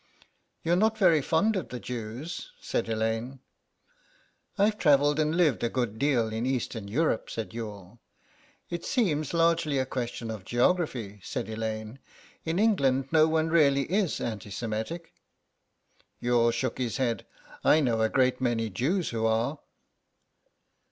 "You are not very fond of the Jews," said Elaine. "I've travelled and lived a good deal in Eastern Europe," said Youghal. "It seems largely a question of geography," said Elaine; "in England no one really is anti Semitic." Youghal shook his head. "I know a great many Jews who are."